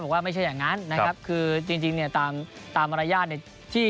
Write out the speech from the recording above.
บอกว่าไม่ใช่อย่างนั้นนะครับคือจริงเนี่ยตามมารยากษ์